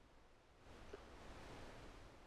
Vedia reunió una extensa y selecta biblioteca.